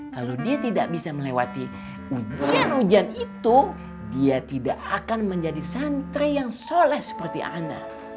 kalau dia tidak bisa melewati hujan itu dia tidak akan menjadi santri yang soleh seperti ana